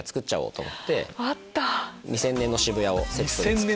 ２０００年の渋谷をセットで。